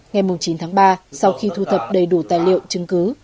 ngày chín tháng ba sau khi thu thập đầy đủ tài liệu chứng cứ